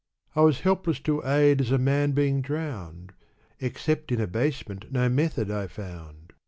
I was helpless to aid as a man being drowned^ Except in abasement no method I found.